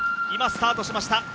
今スタートしました。